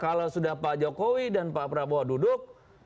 kalau sudah pak jokowi dan pak prabowo duduk